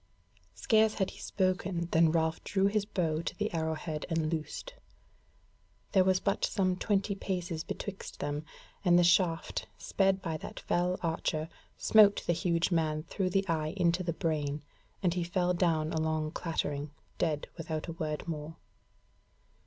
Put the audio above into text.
Scarce had he spoken than Ralph drew his bow to the arrow head and loosed; there was but some twenty paces betwixt them, and the shaft, sped by that fell archer, smote the huge man through the eye into the brain, and he fell down along clattering, dead without a word more.